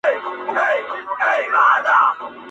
په هر جنګ کي مي بری دی اسمانونو آزمېیلی -